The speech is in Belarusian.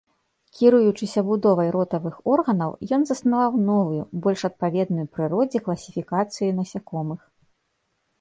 Кіруючыся будовай ротавых органаў, ён заснаваў новую, больш адпаведную прыродзе, класіфікацыю насякомых.